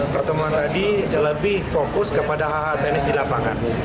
pertemuan tadi lebih fokus kepada hal hal teknis di lapangan